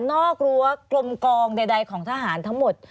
กรั้วกลมกองใดของทหารทั้งหมด